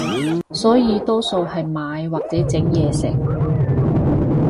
所以多數係買或者整嘢食